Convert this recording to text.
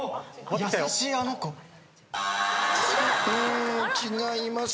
『優しいあの子』違いますね。